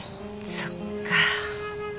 そっか。